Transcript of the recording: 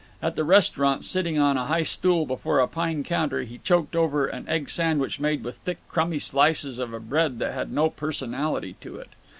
At the restaurant, sitting on a high stool before a pine counter, he choked over an egg sandwich made with thick crumby slices of a bread that had no personality to it.